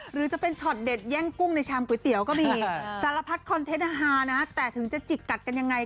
หรือจะเป็นช็อตเด็ดแย่งกุ้งในชามก๋วยเตี๋ยวก็มีสารพัดคอนเทนต์อาหารนะแต่ถึงจะจิกกัดกันยังไง